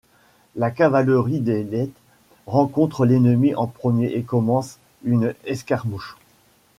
La cavalerie d'Ellet rencontre l'ennemi en premier et commence une escarmouche.